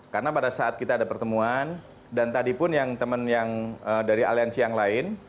karena pada saat kita ada pertemuan dan tadi pun yang teman yang dari aliansi yang lain